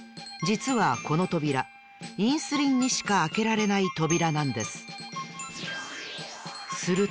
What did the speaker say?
じつはこのとびらインスリンにしかあけられないとびらなんです。